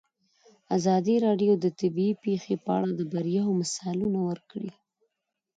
ازادي راډیو د طبیعي پېښې په اړه د بریاوو مثالونه ورکړي.